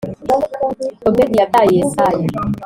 , Obedi yabyaye Yesayi,